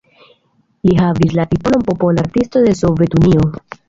Li havis la titolon Popola Artisto de Sovetunio.